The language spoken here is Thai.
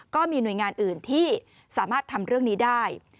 ก็มีหน่วยงานอื่นที่สามารถทำเรื่องนี้ได้